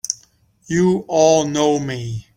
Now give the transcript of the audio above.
You all know me!